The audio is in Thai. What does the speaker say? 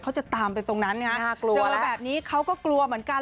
จะตามไปตรงนั้นนะฮะเจอแบบนี้เขาก็กลัวเหมือนกัน